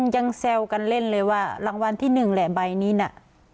แซวกันเล่นเลยว่ารางวัลที่หนึ่งแหละใบนี้น่ะ